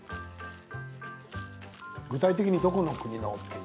具体的にどこの国ですか？